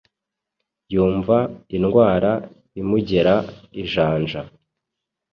Yumva indwara imugera ijanja.